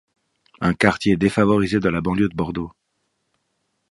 Un quartier défavorisé de la banlieue de Bordeaux.